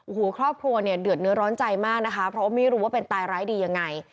โอ้โหครอบครัวเนี่ยเดือดเนื้อร้อนใจมากนะคะเพราะว่าไม่รู้ว่าเป็นตายร้ายดียังไง